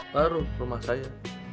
baru rumah saya